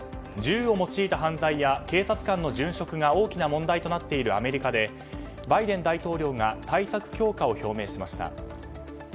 銃を用いた犯罪や警察官の殉職が大きな問題となっているアメリカでバイデン大統領が対策強化を表明しました。